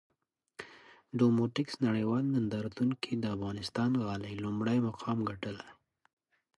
ډوموټکس نړېوال نندارتون کې د افغانستان غالۍ لومړی مقام ګټلی!